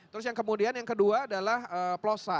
terus yang kemudian yang kedua adalah plosa